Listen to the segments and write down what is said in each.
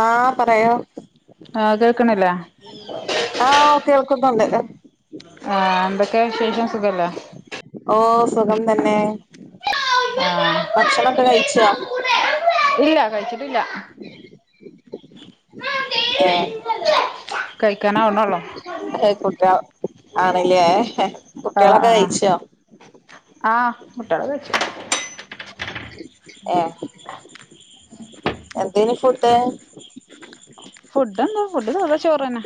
ആഹ് പറയൊ കേൾക്കണില്ലേ ആഹ് ഓ കേൾക്കുന്നുണ്ട് ആഹ് എന്തൊക്കെ വിശേഷം സുഖല്ലേ ഓ സുഖം തന്നെ ആഹ് ഭക്ഷണോക്കെ കഴിച്ചോ കഴിക്കണം ഇല്ല ഏഹ് കഴിക്കാന് ആവണേ ഉള്ളോ കുട്ടികൾ ആണല്ലേ കുട്ടികളൊക്കെ ആഹ് കയിച്ചോ ആഹ് കുട്ടികള് കഴിച്ചു എന്തേനിഫുഡ് ഫുഡ് എന്താ ഫുഡ് സാധാ ചോറന്നെ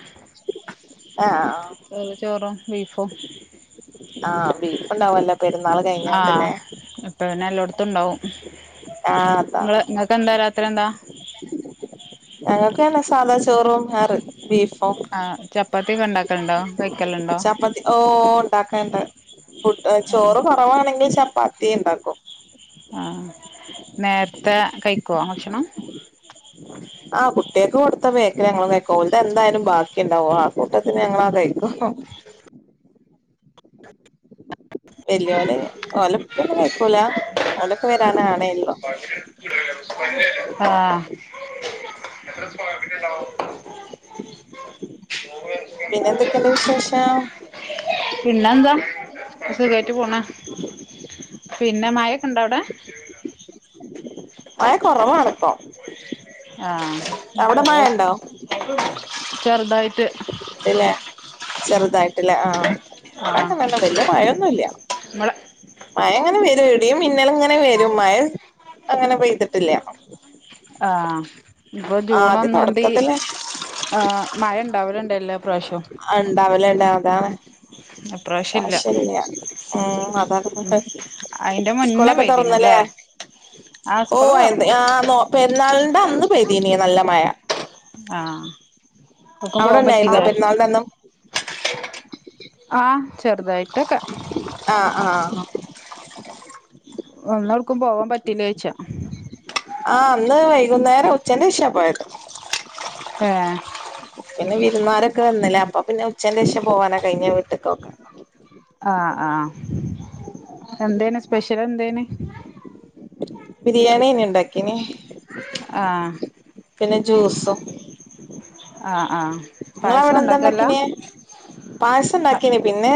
ആഹ് വെറുംചോറും ബീഫും ആഹ് ബീഫ് ഇണ്ടാവല്ലോ അ പെരുന്നാള് കഴിഞ്ഞോണ്ട്ല്ലേ ത്തുണ്ടാവും ങ്ങള് ങ്ങക്കെന്താ രാത്രി എന്താ ഞങ്ങക്കന്നെ സാദാ ചോറും നാറ് ആ ചപ്പ് പ്പാത്തിക്കൊ ഇണ്ടാക്കല്ണ്ടോ ചപ്പത്തി ഓ ഇണ്ടാക്കണ്ട് ഫുഡ് ചോറ് കൊറവാണെങ്കിൽ ചപ് പ്പാത്തിണ്ടാക്കും ആ നേരത്തെ കഴിക്കോ ഭക്ഷണം ആഹ് കുട്ട്യാക്ക് കൊടുത്ത ബേക്കിൽ ഞങ്ങളും കഴിക്കും ഓൽതെന്തായാലും ബാക്കി ക്കെണ്ടാവോ ആ കൂട്ടത്തിന് ഞങ്ങളത് കഴി വല്യോന്, ഓന് ഇപ്പൊന്നും കഴിക്കൂല ഓനൊക്കെ വരാനാണേള്ളൂ ആഹ് പിന്നെ എന്തൊക്കെയുണ്ട് വിശേഷം? പിന്നെന്താ സുഖായിട്ട് പോണ് പിന്നെ മഴെക്കെണ്ടാവടെ മഴ കൊറവാണിപ്പം ആ ചെറുതായിട്ട് ചെറുതായിട്ടല്ലേ ആഹ് ഇവടെ ആഹ് അങ്ങനെന്നും വലിയ മഴയൊന്നുല്ല്യ ഇങ്ങളെ മഴ അങ്ങനെ വരും ഇടിയും മിന്നലും ഇങ്ങനെ വരും മഴ അങ്ങനെ പെയ്തിട്ടില്ല ആഹ് ഇപ്പൊ ജൂൺ ആദ്യ ഒന്നാന്തി തുടക്കത്തില് ആ മഴ ഇണ്ടാവലുണ്ടല്ലോ എല്ലാ പ്രാവശ്യവും ഇണ്ടാവലിണ്ടാ താണ് ആവശ്യം ഇല്ല മ് അതാകുന്ന ടൈം അയിന്റെ മുന്നേ സ്കൂളൊക്കെ തൊറന്നല്ലേ പെയ്തിനുല്ലേ ആഹ് ഓ സ്കൂള് തൊറന്നു എന്തേ ആ നൊ പെരുന്നാൾ അത് അന്ന് പെയ്തീന് നല്ല മഴ ആഹ് എവ്ട്ക്കും പോവാൻ അവിടന്നായിരുന്നോ പറ്റില്ലേ പെരുന്നാളിനന്നും ആഹ് ചെറുതായിട്ടൊക്കെ ആഹ് ആഹ് ഒന്ന് എവിടുക്കും പോവാൻ പറ്റിലേച്ചാ ആ അന്ന് വൈകുന്നേരം ഉച്ചേൻ്റെ ശേഷാ പോയത് ആ പിന്നെ വിരുന്നാരൊക്കെ വന്നല്ലേ അപ്പൊ പിന്നെ ഉച്ചേൻ്റെ ശേഷം പോവാനാ കഴിഞ്ഞെ വീട്ടിക്കൊക്കെ ആ എന്തേന് സ്പെഷ്യല് എന്തേന് ബിരിയാണിയന്നെ ഇണ്ടാക്കിന് ആഹ് പിന്നെ ജ്യൂസും ആഹ് ആഹ് പായസം ഇങ്ങളവടെ ഉണ്ടാക്കല്ല എന്താണ്ടാക്കീന് പായസണ്ടാക്കീന് പിന്നെ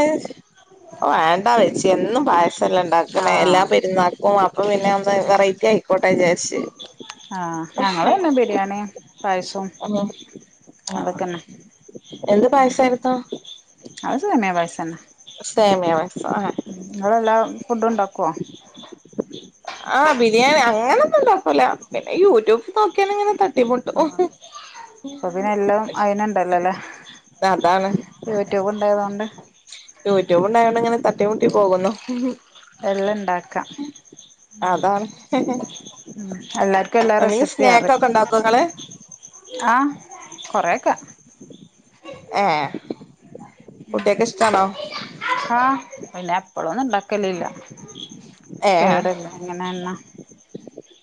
ഒ വേണ്ടാ വെച്ച് എന്നും പായ സല്ലണ്ടാക്കണേ എല്ലാ ആഹ് പെരുന്നാക്കും അപ്പൊ പിന്നെ ഒന്ന് വെറൈ ഞായിക്കോട്ടെ വിചാരിച്ച് ആ ഞങ്ങള് പിന്നെ ബിരിയാണീം ആ അതൊക്കെന്നെ എന്ത് പായസായിരുന്നു അതുതന്നെ പായസന്നെ സേമിയ [unintelligible] ഫുഡുണ്ടാക്കോ ആ ബിരിയാണി അങ്ങനൊന്നും ഒണ്ടാക്കുല പിന്നെ യൂട്യൂബ് നോക്കിയാനങ്ങനെ ത ആ ഇപ്പ പിന്നെ എല്ലാം അയിന്ണ്ടല്ലോല്ലേ അതാണ് യൂട്യൂബ് ഉണ്ടായതൊണ്ട് യൂട്യൂബ് ഉണ്ടായതോണ്ട് ഇങ്ങനെ തട്ടിമ മുട്ടി പോകുന്നു എല്ലാണ്ടാക്കാം അതാണ് എല്ലാർക്കും എല്ലാ എന്തെങ്കിലും സ്നാക്ക് ഒക്കെ റെസിപ്പിറിയും ഉണ്ടാക്കോ ഇങ്ങള് ആ കൊറയൊക്കെ ഏ കുട്ടികക്ക് ഇഷ്ട്ടാണോ ആ പിന്നെ എപ്പളൊന്നും ഇണ്ടാക്കലില്ല കേടല്ലെ ഇങ്ങനെന്നാ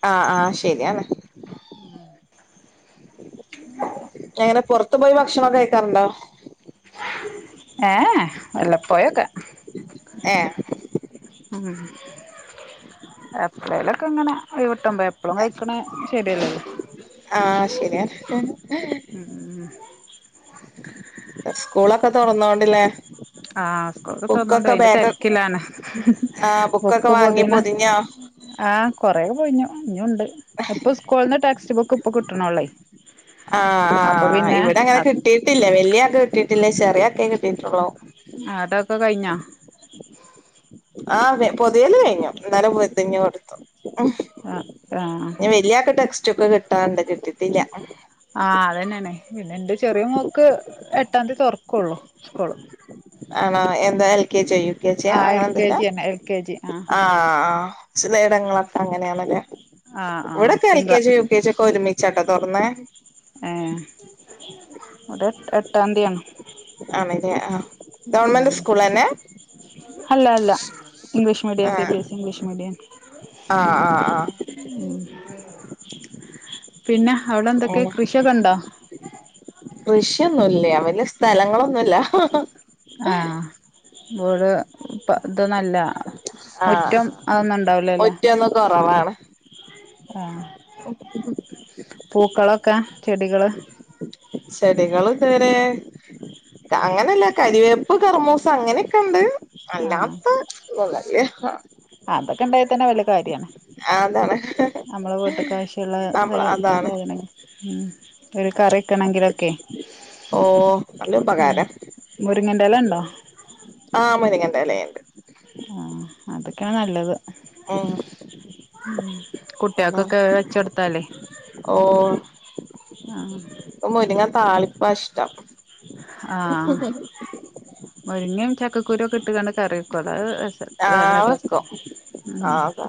ആ ആ ശരിയാണ് എങ്ങനെ പുറത്ത് പോയി ഭക്ഷണം കഴിക്കാറുണ്ടോ ഏ വല്ലപ്പോഴോക്കെ ഏ മ് എപ്പോഴേലൊക്കെ ങ്ങനെ ഇവി ഡ്രം പോയപ്പുളും കഴിക്കണ് ശരിയല്ലല്ലോ ആ ശരിയ [unintelligible] സ്കൂളൊക്കെ തൊറന്നോണ്ട്ല്ലേ ആ സ്കൂള് തോറന്നോണ്ട് അയിന്റെ തിരക്കിലാണ് ആഹ് ബുക്കൊക്കെ ബുക്ക് വാങ്ങി പൊതീണ പൊതിഞ്ഞോ ആ കൊറെ പോയിഞ്ഞു ഞ്ഞുണ്ട് എപ്പൊ സ്കൂളിന്ന് ടെക്സ്റ്റ് ബുക്കും പ്പ കിട്ടണോളെ ആ ആ ഇവിടെ അങ്ങനെ അത് കിട്ടിട്ടില്ല വലിയാക്ക്‌ കിട്ടി കില്ലേ ചെറിയക്കെ കിട്ടിട്ടുള്ളൂ അതൊക്കെ കഴിഞ്ഞോ ആഹ് പൊതിയല് കഴിഞ്ഞു ഇന്നലെ പൊതിഞ് കൊടുത്തു ഉം ആഹ് ആഹ് വല്യായക്ക ട്ടെ [unintelligible] കിട്ടാണ്ട് [unintelligible] ആഹ് അതെന്നേണ് പിന്നെ എന്റെ ചെറിയ മോക്ക് എ ട്ടാംതി തൊറക്കുള്ളൂ സ്കൂള്. ആണോ എന്താ എൽ കെ ചെയ്യും കേജിയാ ആഹ് എൽ കെ അങ്ങനെന്തെങ്കിലുവാ ജി തന്നെ എൽ കെ ജി ആഹ് ആ ചില എടങ്ങളൊക്കെ അങ്ങനെയണാല്ലേ ആഹ് ആഹ് ഇവിടൊക്കെ എൽ കെ തിങ്കള ജി യു കെ ജി ഒക്കെ ഒരുമിച്ചാട്ടോ തൊറന്നേ ഏഹ് ഇവടെ എട്ട് എ ട്ടാൻതിയാണ് ആണല്ലേ ആഹ് ഗവൺമെന്റ് ഉം സ്കൂൾ തന്നെ അല്ല അല്ല ഇംഗ്ലീഷ് മീഡിയം സി ആഹ് B S E English medium ആഹ് ആഹ് ആഹ് ഉം പിന്നെ അവിടെ എന്തൊക്കെ അങ്ങനെ കൃഷിയൊക്കെ ഇണ്ടോ? കൃഷിയൊന്നുല്യാ വെല്ല്യ സ്ഥലങ്ങളൊന്നുല്ല ആഹ് [unintelligible] ഇപ്പ ഇതൊന്നും അല്ല. ആഹ് മുറ്റം ഒന്നും കൊറവാണ് ആഹ് പൂക്കളൊക്കെ ചെടികള്. ചെടികൾ ഇതുവരെ, അങ്ങനെയല്ല കരിവേപ്പ് കറമൂസ് അങ്ങനെയൊക്കെ ഇണ്ട്. അല്ലാത്തെ ഇതൊ [unintelligible] [unintelligible] ആ അതൊക്കെ ഇണ്ടായ തന്നെ വെല്ല്യ കാര്യാ. അതാണ് നമ്മളെ വീട്ട്ക്കാവശ്യള്ള നമ്മള് [unintelligible] അതാണ് സാധനങ്ങൾ ഉം. ഒരു കറിക്കണങ്കിലൊക്കെ ഓ നല്ല ഉപകാരം മുരിങ്ങന്റെ എല ഇണ്ടോ? എലയിണ്ട്. ക്കാ നല്ലത് ഉം അത കുട്ടികൾക്കൊക്കെ വെച്ചെടുത്താലേ ഓ ആഹ് മുരിങ്ങ താളി പഷ്ടം ആഹ് മുരിങ്ങ ചക്ക ക്കുരൊക്കെ ഇട്ടാണ്ട് കറി വെക്കോലൊ അത് നല്ല ആഹ് ടെസ്റ്റാ വെക്കും ഉം ആഹ്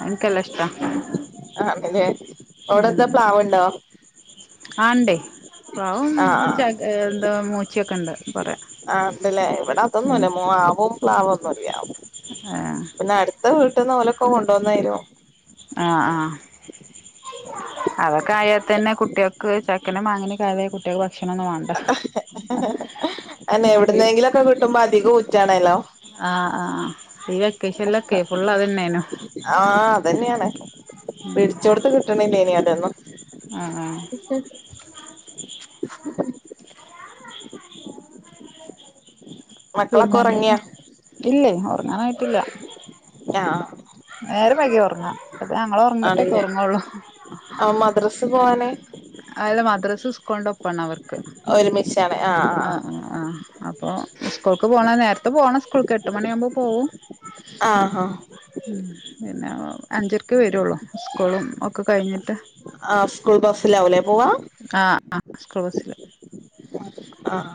അത് ഇൻക്കല്ല ഷ്ട [inaudible] ആണ്ലെ അവ്ടെന്താ പ്ലാവ്ണ്ടോ ആ ണ്ടേ പാവും [unintelligible] ന്താ മൂച്ചി ഉചൊക്കെ ഉണ്ട് കൊറേ ആ ണ്ട് ലേ ഇവിടെ ഉം അതൊന്നുംല്ല മാവും പ്ലാവും റിയ [unintelligible] ആഹ് പിന്നെ അടുത്ത വി- പിട്ടുന്നഓലൊക്കെ കൊണ്ടുവന്നരും ആഹ ആഹ അതൊക്കെ ആയാൽ തന്നെ കുട്ടികൾക്ക് ചക്കനും മാങ്ങനക്കത കുട്ടികൾ അന്നെ എവിടുന്നെങ്കിലൊക്കെ കിട്ടുമ്പോ അധികം ഉ- റ്റാണല്ലോ ആഹ ആഹ് ഈ വെക്കേഷനിലൊക്കെ ഫുള്ള് അതന്നേനു ആഹ അതന്നെയാണ് പിടിച്ച കൊടുത്ത് കിട്ടണില്ലേ ഇനി [unintelligible] ആ [unintelligible] [unintelligible] മക്കളൊക്കെ പിന്നെ എന്തൊക്കെ ഉറങ്ങിയാ ഇല്ലേ ഉറങ്ങാനായിട്ടില്ല ആഹ് അണ [unintelligible] അത് ഞങ്ങൾ ഉറങ്ങിട്ടേക്കെ ആണല്ലേ ഉറങ്ങള്ളൂ ആഹ് മദ്രസ് പോവാന് അല്ല മദ്രസ് സ്‌കൂൾന്റെ ഒപ്പ അവർ ഒരുമിച്ചാണ് ആ ആ ആഹ് ആ അപ്പോ സ്കൂൾക്ക് പോണ നേരത്തെ പോണം സ്കൂൾക്ക് എട്ട് മണിയാകുമ്പോൾ പോവും ആഹ് ആഹ് പിന്നെ അഞ്ചരക്ക് വരുള്ളൂ സ്കൂളും ഒക്കെ കഴിഞ്ഞിട്ട് ആ സ്കൂൾ ബസ്സിലാവൂലേ പോവാ ആഹ് സ്കൂൾ ബസ്സില് ആഹ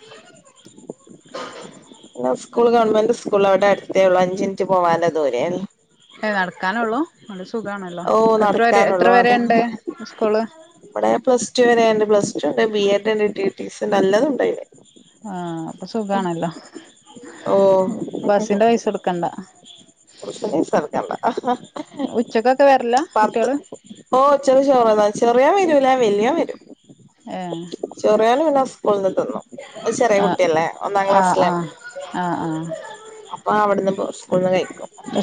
[inaudible] പിന്നെ സ്കൂൾ ഗവൺമെന്റ് സ്കൂൾ അവിടെ അടുത്തേള്ളൂ അഞ്ചിനിറ്റ് പോവാൻഉള്ള ദൂരേല്ലേ അഏ നടക്കാനോള്ളൂ ഓ നടക്കാനുള്ളു അതന്ന സ്കൂള് ഇവിടെ പ്ലസ് ടു വരെണ്ട് പ്ലസ് ടു ഉണ്ട് ബി എഡ് ഉണ്ട് റ്റിറ്റി സി യുണ്ട് നല്ലത അയിന് ആഹ പ്പൊ സുഖമാണല്ലോ ഓ ബസിന്റെ പൈസ കൊടുക്കണ്ട [unintelligible] ഉച്ചക്കൊക്കെ വരല കുട്ടികള് ചോറുണ്ണാൻ ചെറിയോൻ വരൂല്ല വലിയോൻ വരും. ഏഹ് ചെറിയന് പിന്നെ സ്കൂള നിന്ന്തിന്നു ചെറിയ ആഹ് കുട്ടിയല്ലേ ഒന്നാം ആഹ് ക്ലാസ്സിലാണ്. ആഹ് ആഹ് ആഹ് അപ്പൊ അവിടുന്ന് പോ സ്കൂളിൽ നിന്നു കഴി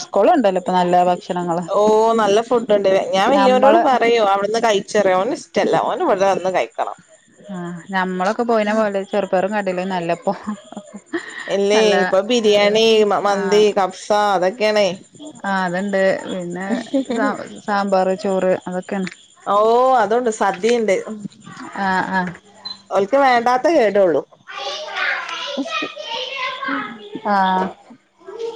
സ്കൂളുണ്ടല്ലോ ഇപ്പൊ നല്ല ഭക്ഷണങ്ങള് ഓനല്ല ഫുഡുണ്ട്. ഞാൻ വലിയവനോട് നമ്മള് പറയും, അവിടുന്ന് കഴിച്ചോ. അവിനിഷ് ഇല്ല ഓന് ഇവിടെ വന്ന് കഴിക്കണം. ആഹ്.. നമ്മളൊക്കെ പോയിന പോയിന പോലെ ചെറു പെറും കടല നല്ലപ്പോ ഇല്ലേ അല്ല ഇപ്പൊ ബിരിയാണി മന്തി ആത് കബ്സ അതൊക്കെയാണേ അ അതുണ്ട് പിന്നെ സാമ്പാറ് ചോറ് അ.. ഓഅതൊണ്ട്. സ് സദ്യയുണ്ട്. ആഹ് ഒല്ക്ക് വേണ്ടാ അത്രകേട്ടൊള്ളൂ. ആഹ് ആഹ്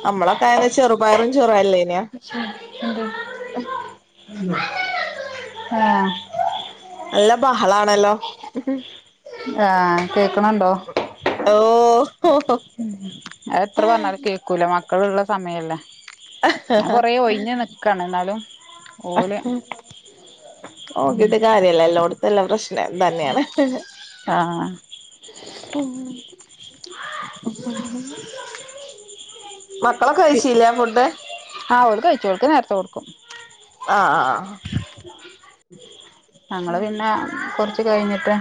നമ്മള ഇപ്പയിന് ചെറുപയറും ചോറുവ ല്ലേ. [unintelligible] അ നല്ല, ബഹളാണല്ലോ ഹ്. ഹും.. ആഹ് കേ കേൾക്കണുണ്ടോ ഓ എത്ര പറഞ്ഞാലും കേക്കൂല മ മക്കളുള്ള സമയല്ലേ. ഹ. ഞാൻ കൊറേ ഒഴിഞ്ഞ് നിക്കാണ് എന്നാലും ഹ ഓല് ഹ. നോക്കീട്ട് കാര്യമില്ല. [unintelligible] എല്ലാം തന്നെയാണ് ആഹ് ഉം.. [inaudible] മക്കളൊക്കെ കഴിച്ചിലെ ഫുഡ്. ആഹ് ഓല് കഴിച്ചു ഓൽക്ക് നേരത്തെ കൊടുക്കും. അ അ അ ഞങ്ങള്പിന്നെ കുറച്ച്, കുറച്ചുകഴിഞ്ഞിട്ട്.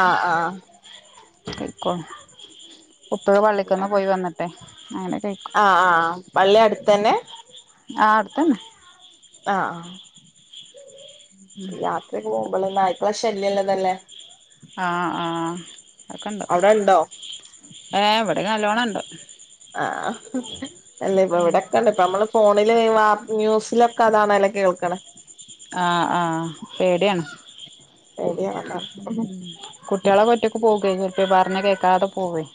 അ അ കിടക്കും ഉപയും പള്ളിക്കൊന്ന് പോയി വന്നിട്ടെ. അങ്ങനെ കഴിക്കും ആഹ ആഹ് പള്ളി അടുത്തെന്നെ ആത്തന്നെ ആഹ് യാത്രക്ക് െ [unintelligible] പ്പശല്യള്ളതല്ലേ ഏഹഎവിടൊക്കെ നല്ലോണണ്ട് ആഹ് അല്ലേ ഇപ്പ ഇവിടെക്കണ്ട് ഇപ്പ നമ്മള് ഫോണില് വാ ന്യൂസിലൊക്കെ അതാണെല്ലോ കേൾക്കണേ ആഹ് ആഹ് പേടി ആണ് പേടിയാണ് അതാണ് കുട്ടിളൊക്കെ ഒറ്റക്ക് പോകെര്ക്കും പറഞ്ഞ കേക്കാതെ പോകും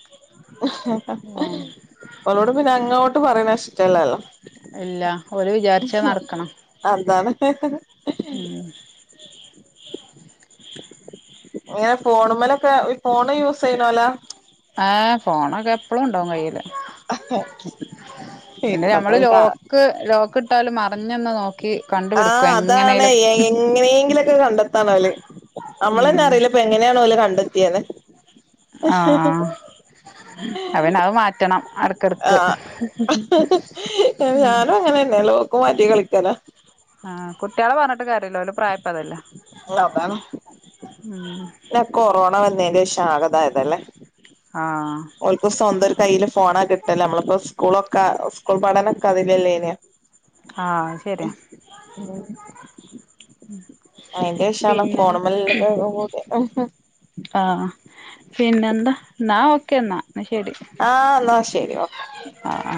ഓളോട് പിന്നഅങ്ങോട്ട് പറയുന്നത് ഇഷ്ട്ടല്ലല്ലോ ഇല്ല ഓല് വിചാരിച്ചത് നടക്കണം അതാണ് ഊം ഇങ്ങനെ ഫോണ്മ്മലൊക്കെ ഇര് ഫോണ് യൂസ്സെയ്യ്നോലാ എപ്പളുണ്ടാവും കയ്യില് പിന്നെ ഞമ്മള് ഇപ്പത്തവർക്ക് ലോക്ക് ലോക്ക് ഇട്ടാലും മറഞ്ന്ന് നോക്കും ആഹ് അതാാണ് എങ്ങനെയെങ്കിലൊക്കെ കണ്ടെത്താണോല് ഉം നമ്മളന്നെ അറിയില്ല ഇപ്പൊ എങ്ങനെയാണോ ഓല് കണ്ടെത്തിയേന്ന്. ആഹ് അപ്പ പിന്നെ അത് മാറ്റണം ഇടക്കിടക്ക് ആഹ് ഉം ഞാനും അങ്ങനെന്നെല്ലോ മാറ്റി കളിക്കലാ ആഹ് കുട്ടികള പറഞ്ഞിട്ടും കാര്യല്ല ഓലെ പ്രായപ്പതല്ലേ ഉം ഒക്കെ കൊറോണ വന്നേന്ന് ശേഷം ആഗതായതല്ലേ ആഹ് ഓല്ക്ക് സ്വന്തം ഒരു കയ്യില് ഫോ ഫോണാ കിട്ടല്ലേ നമ്മളിപ്പോ സ്കൂളൊക്കെ സ്കൂൾ പഠനൊക്കെ അതില് ആഹ് ശരിയാ അയിന്റെ ശേഷാണ് പിന്നെന്താ ഫോണല്ല കൂ [unintelligible] ആഹ് പിന്നെന്ത് നാ ഒക്കെന്നാ. എന്ന ശെരി. ആഹ് എന്നാ ശരി ഓക്കെ ആഹ് ആ